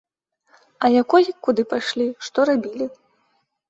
А якой, куды пайшлі, што рабілі.